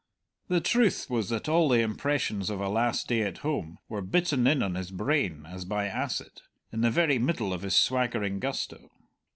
The truth was that all the impressions of a last day at home were bitten in on his brain as by acid, in the very middle of his swaggering gusto.